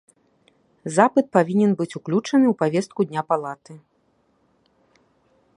Запыт павінен быць уключаны ў павестку дня палаты.